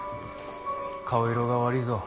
顔色が悪ぃぞ。